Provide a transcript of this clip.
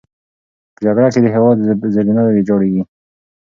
په جګړه کې د هېواد زیربناوې ویجاړېږي.